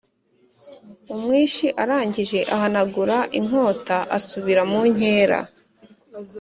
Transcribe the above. umwishi arangije ahanagura inkota asubira munkera